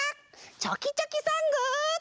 「ちょきちょきソング」！